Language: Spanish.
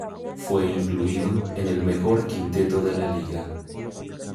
Fue incluido en el mejor quinteto de la liga.